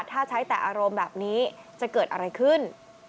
ถ้าใช้แต่อารมณ์แบบนี้จะเกิดอะไรขึ้น